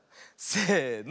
せの。